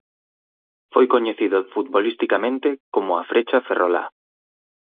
Foi coñecido futbolisticamente como a "frecha ferrolá".